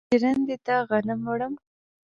زه ژرندې ته غنم وړم.